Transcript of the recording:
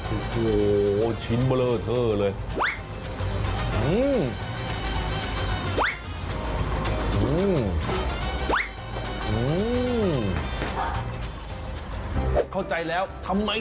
โอ้โหชิ้นเบลอเทอร์เลย